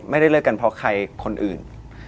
ไม่ได้เลิกกันเพราะใครคนอื่น